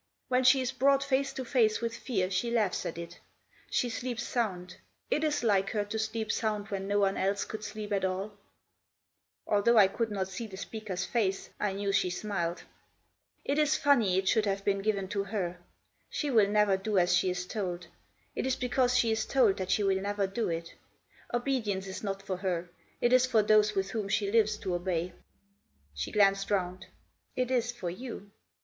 When she is brought face to face with fear she laughs at it She sleeps sound. It is like her to sleep sound when no one else could sleep at all." Although I could not see the speaker's face I knew she smiled. "It is funny it Digitized by 126 THE JOSS. should have been given to her. She will never do as she is told ; it is because she is told that she will never do it Obedience is not for her, it is for those with whom she lives to obey." She glanced round. " It is for you."